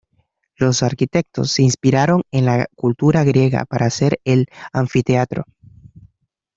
Los arquitectos se inspiraron en la cultura griega para hacer el anfiteatro.